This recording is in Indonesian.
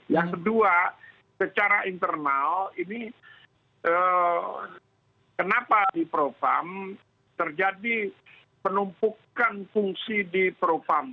yang kedua secara internal kenapa di profam terjadi penumpukan fungsi di profam